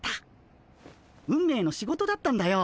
運命の仕事だったんだよ